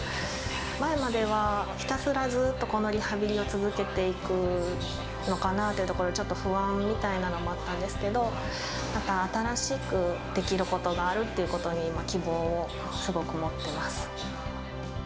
前まではひたすらずっとこのリハビリを続けていくのかなっていうところ、ちょっと不安みたいなのもあったんですけど、また新しくできることがあるっていうことに希望をすごく持ってます。